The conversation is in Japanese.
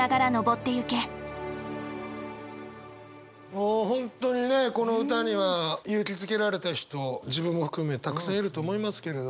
もう本当にねこの歌には勇気づけられた人自分も含めたくさんいると思いますけれど。